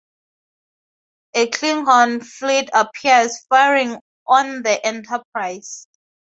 A Klingon fleet appears, firing on the "Enterprise".